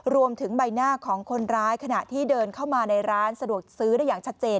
ใบหน้าของคนร้ายขณะที่เดินเข้ามาในร้านสะดวกซื้อได้อย่างชัดเจน